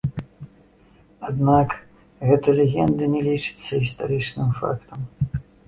Аднак, гэта легенда не лічыцца гістарычным фактам.